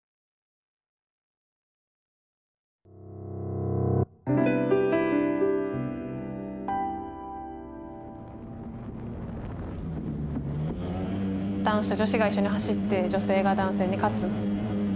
男子と女子が一緒に走って女性が男性に勝つ。